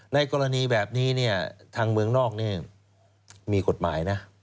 ในกรณีแบบนี้เนี่ยทางเมืองนอกมีกฎหมายนะ